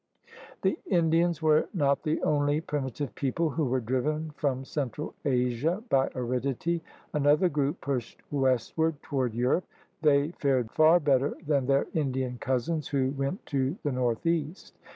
The Indians were not the only primitive people who were driven from central Asia by aridity. Another group pushed westward toward Europe. They fared far better than their Indian cousins who went to the northeast.